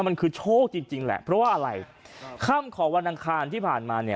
มันคือโชคจริงจริงแหละเพราะว่าอะไรค่ำของวันอังคารที่ผ่านมาเนี่ย